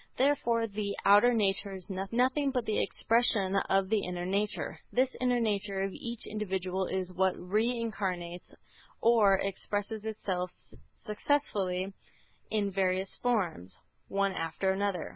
Therefore the outer nature is nothing but the expression of the inner nature. This inner nature of each individual is what re incarnates or expresses itself successively in various forms, one after another.